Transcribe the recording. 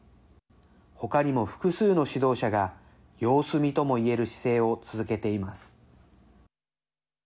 他にも複数の指導者が様子見とも言える姿勢を続けています。